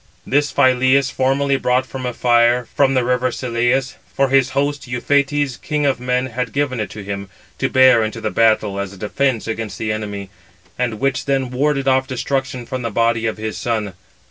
This Phyleus formerly brought from Ephyre, from the river Selleïs: for his host, Euphetes, king of men, had given it to him, to bear into the battle as a defence against the enemy; and which then warded off destruction from the body of his son.